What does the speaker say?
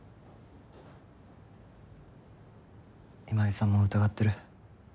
今井さんも疑ってる？